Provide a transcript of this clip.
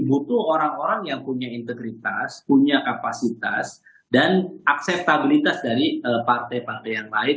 butuh orang orang yang punya integritas punya kapasitas dan akseptabilitas dari partai partai yang lain